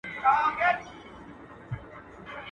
کرنه زموږ پلرني دنده وه.